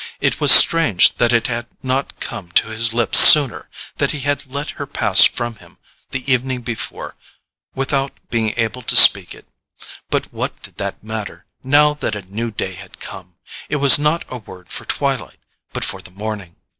It was strange that it had not come to his lips sooner—that he had let her pass from him the evening before without being able to speak it. But what did that matter, now that a new day had come? It was not a word for twilight, but for the morning.